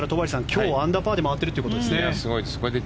今日、アンダーパーで回ってるということですね。